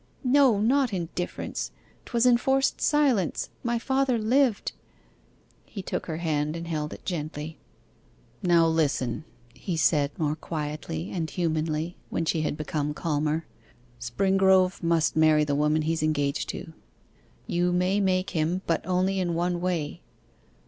'No, not indifference 'twas enforced silence. My father lived.' He took her hand, and held it gently. 'Now listen,' he said, more quietly and humanly, when she had become calmer: 'Springrove must marry the woman he's engaged to. You may make him, but only in one way.